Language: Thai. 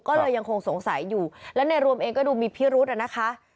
ก็เลยยังคงสงสัยอยู่และในรวมเองก็ดูมีพิรุธอะนะคะ